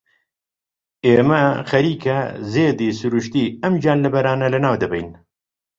ئێمە خەریکە زێدی سروشتیی ئەم گیانلەبەرانە لەناو دەبەین.